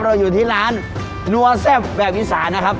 เราอยู่ที่ร้านนัวแซ่บแบบอีสานนะครับ